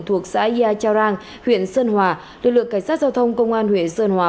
thuộc xã yai chao rang huyện sơn hòa lực lượng cảnh sát giao thông công an huyện sơn hòa